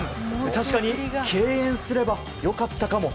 確かに敬遠すればよかったかも。